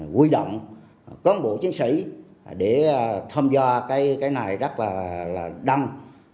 quy động có một bộ chiến sĩ để tham gia cái này rất là đăng